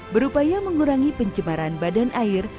berupaya mengurangi pencemaran badan air